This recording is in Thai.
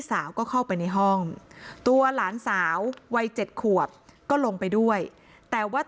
สาวก็เข้าไปในห้องตัวหลานสาววัย๗ขวบก็ลงไปด้วยแต่ว่า